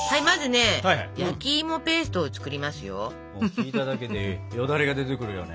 聞いただけでよだれが出てくるよね。